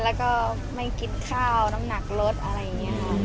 แล้วก็ไม่กินข้าวน้ำหนักลดอะไรอย่างนี้ค่ะ